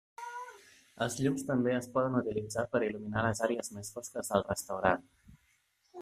Els llums també es poden utilitzar per il·luminar les àrees més fosques del restaurant.